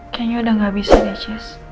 kayanya udah gak bisa deh cez